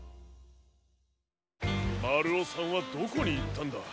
まるおさんはどこにいったんだ？